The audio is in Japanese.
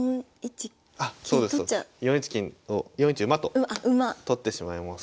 ４一金を４一馬と取ってしまいます。